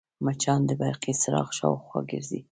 مچان د برقي څراغ شاوخوا ګرځي